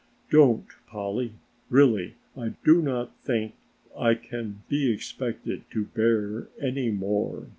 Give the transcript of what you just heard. "Don't, Polly, really I do not think I can be expected to bear any more.